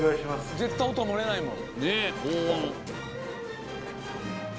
絶対音漏れないもん。